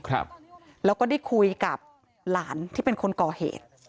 เราก็ได้คุยกับหลานเป็นคนก่อเหตุ